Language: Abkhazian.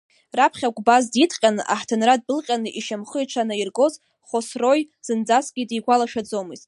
Раԥхьа Гәбаз дидҟьаны, аҳҭынра ддәылҟьаны ишьамхы иҽанаиргоз, Хосрои зынӡаскгьы дигәалашәаӡомызт.